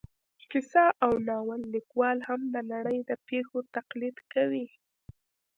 کیسه او ناول لیکوال هم د نړۍ د پېښو تقلید کوي